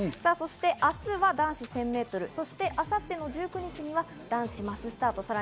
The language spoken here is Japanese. そして明日は男子１０００メートル、明後日の１９日には男子マススタート。